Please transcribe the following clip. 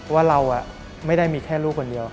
ว่าเราไม่ได้มีแค่ลูกคนเดียว